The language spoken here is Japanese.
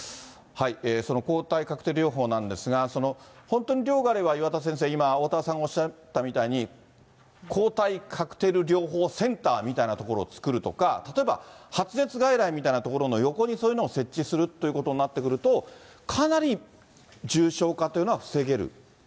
その抗体カクテル療法なんですが、本当に量があれば、岩田先生、今、おおたわさんがおっしゃったみたいに、抗体カクテル療法センターみたいなところを作るとか、例えば発熱外来みたいな所の横にそういうのを設置するということになってくると、そうですね。